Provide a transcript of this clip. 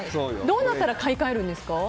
どうなったら買い替えるんですか？